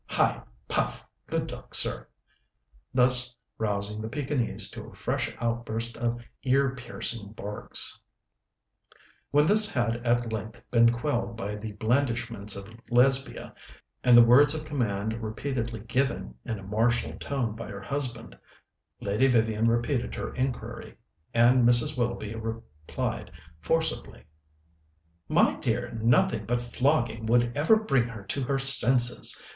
Hi! Puff! good dog, sir!" thus rousing the Pekinese to a fresh outburst of ear piercing barks. When this had at length been quelled by the blandishments of Lesbia and the words of command repeatedly given in a martial tone by her husband, Lady Vivian repeated her inquiry, and Mrs. Willoughby replied forcibly: "My dear, nothing but flogging would ever bring her to her senses.